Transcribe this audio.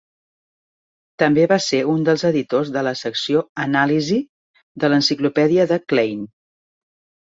També va ser un dels editors de la secció "Anàlisi" de l'Enciclopèdia de Klein.